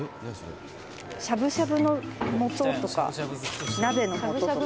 「しゃぶしゃぶのもととか鍋のもととか」